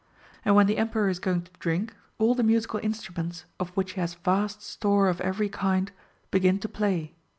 And when the Emperor is going to drink, all the musical instru ments, of which he has vast store of every kind, begin to play.